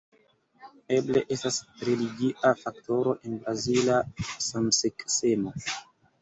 Eble estas religia faktoro en brazila samseksemo.